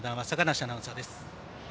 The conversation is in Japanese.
坂梨アナウンサーです。